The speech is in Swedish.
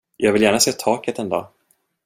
Jag vill gärna se taket en dag.